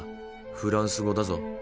フランス語だぞ。